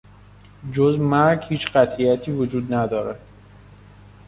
جز مرگ هیچ قطعیتی وجود ندارد.